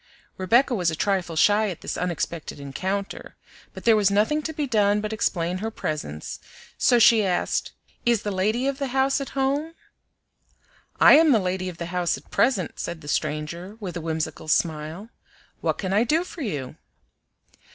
Rebecca was a trifle shy at this unexpected encounter, but there was nothing to be done but explain her presence, so she asked, "Is the lady of the house at home?" "I am the lady of the house at present," said the stranger, with a whimsical smile. "What can I do for you?"